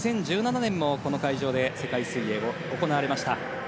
２０１７年もこの会場で世界水泳が行われました。